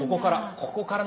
ここから。